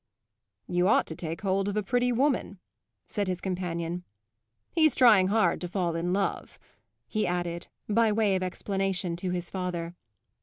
"You ought to take hold of a pretty woman," said his companion. "He's trying hard to fall in love," he added, by way of explanation, to his father.